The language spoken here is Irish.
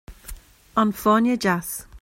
An fáinne deas